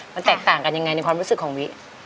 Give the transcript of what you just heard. มันแตกต่างกันยังไงในความรู้สึกของวิ